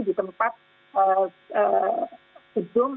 di tempat gedung